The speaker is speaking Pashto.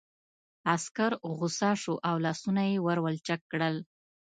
عسکر غوسه شو او لاسونه یې ور ولچک کړل